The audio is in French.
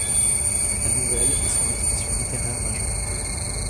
La nouvelle est son expression littéraire majeure.